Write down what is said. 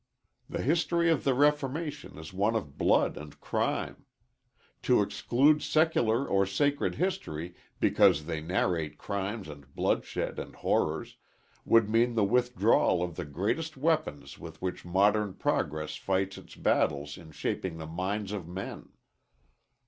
The history of the reformation is one of blood and crime. To exclude secular or sacred history because they narrate crimes and bloodshed and horrors, would mean the withdrawal of the greatest weapons with which modern progress fights its battles in shaping the minds of men.